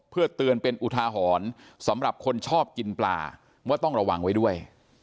เพื่อเตือนเป็นอุทาหรณ์สำหรับคนชอบกินปลาว่าต้องระวังไว้ด้วย